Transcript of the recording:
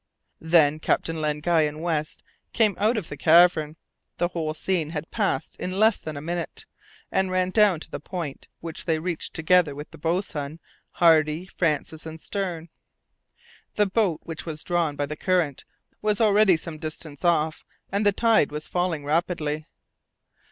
Then Captain Len Guy and West came out of the cavern the whole scene had passed in less than a minute and ran down to the point, which they reached together with the boatswain, Hardy, Francis, and Stern. The boat, which was drawn by the current, was already some distance off, and the tide was falling rapidly.